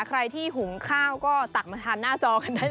ใครที่หุงข้าวก็ตักมาทานหน้าจอกันได้